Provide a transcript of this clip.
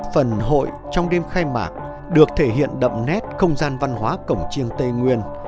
phần hội trong đêm khai mạc được thể hiện đậm nét không gian văn hóa cổng chiêng tây nguyên